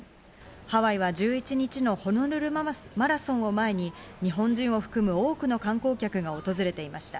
ハワイは１１日のホノルルマラソンを前に日本人を含む多くの観光客が訪れていました。